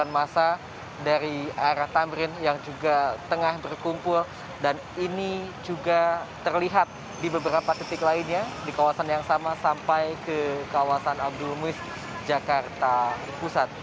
masa dari arah tamrin yang juga tengah berkumpul dan ini juga terlihat di beberapa titik lainnya di kawasan yang sama sampai ke kawasan abdul muis jakarta pusat